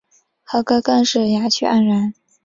和歌更是雅趣盎然。